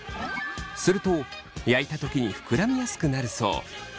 すると焼いた時に膨らみやすくなるそう。